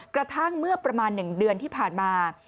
กระทั่งเมื่อประมาณ๑เดือนที่ผ่านมา